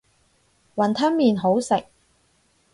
雲吞麵好食